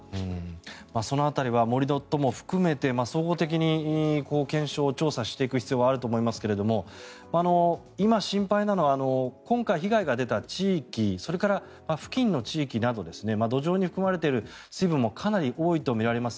その辺りは盛り土とも含めて総合的に検証、調査していく必要があると思いますけれども今、心配なのは今回被害が出た地域それから付近の地域など土壌に含まれている水分もかなり多いとみられます。